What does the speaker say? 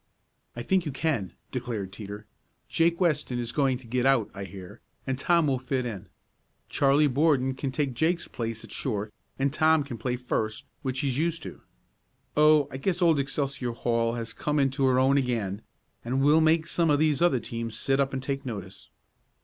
"I think you can," declared Teeter. "Jake Weston is going to get out, I hear, and Tom will fit in. Charlie Borden can take Jake's place at short and Tom can play first, which he's used to. Oh, I guess old Excelsior Hall has come into her own again, and we'll make some of these other teams sit up and take notice."